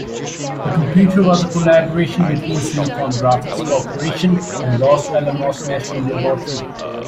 The computer was a collaboration between Silicon Graphics Corporation and Los Alamos National Laboratory.